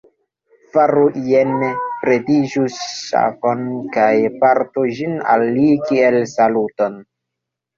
Faru jene: pretigu ŝafon kaj portu ĝin al li kiel saluton.